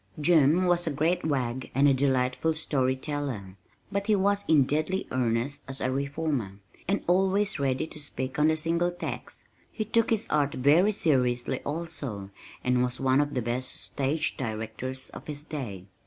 Jim was a great wag and a delightful story teller, but he was in deadly earnest as a reformer, and always ready to speak on The Single Tax. He took his art very seriously also, and was one of the best stage directors of his day.